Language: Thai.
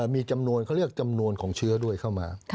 มีจำนวนเขาเรียกจำนวนของเชื้อด้วยเข้ามา